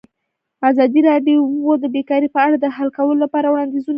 ازادي راډیو د بیکاري په اړه د حل کولو لپاره وړاندیزونه کړي.